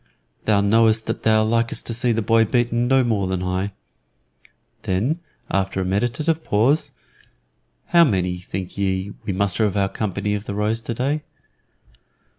"Thou knowest that thou likest to see the boy beaten no more than I." Then, after a meditative pause, "How many, think ye, we muster of our company of the Rose today?"